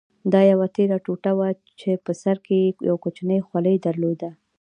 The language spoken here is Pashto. دا یوه تېره ټوټه وه چې په سر کې یې یو کوچنی خولۍ درلوده.